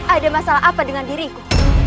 ada masalah apa dengan diriku